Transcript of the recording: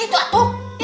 ini dulu yang kecil kecil